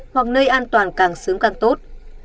hoặc nơi an toàn càng sớm càng tốt